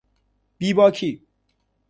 بی باکی